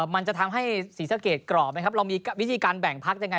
มันจะทำให้ศรีสะเกดกรอบไหมครับเรามีวิธีการแบ่งพักยังไง